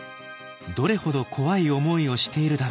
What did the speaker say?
どれほど怖い思いをしているだろうか。